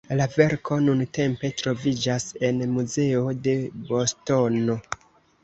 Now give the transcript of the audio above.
La verko nuntempe troviĝas en muzeo de Bostono.